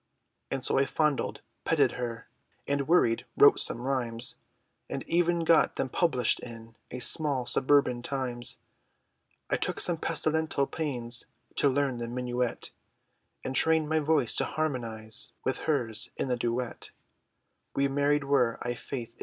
And so I fondled, petted her, And worried, wrote some rhymes, And even got them published, in A small, suburban times, I took some pestilential pains, To learn the minuet, And trained my voice, to harmonise, With her's, in the duet. We married were, I faith!